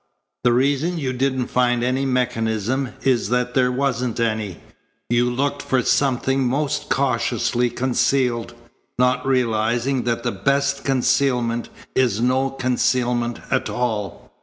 The reason you didn't find any mechanism is that there wasn't any. You looked for something most cautiously concealed, not realizing that the best concealment is no concealment at all.